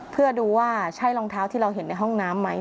เพื่อดูว่าใช่รองเท้าที่เราเห็นในห้องน้ำไหม